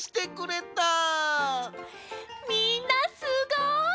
みんなすごい！